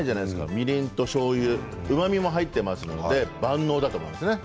みりんとしょうゆ、うまみも入ってますので万能だと思いますね。